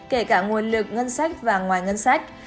kể cả nguồn lực ngân sách và ngoài ngân sách